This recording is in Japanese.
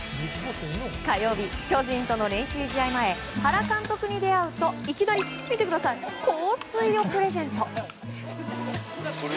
火曜日、巨人との練習試合前原監督に出会うといきなり香水をプレゼント。